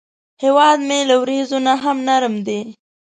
هیواد مې له وریځو نه هم نرم دی